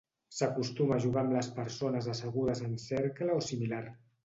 S'acostuma a jugar amb les persones assegudes en cercle o similar.